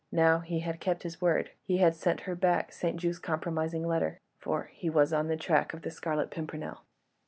Now he had kept his word—he had sent her back St. Just's compromising letter ... for he was on the track of the Scarlet Pimpernel.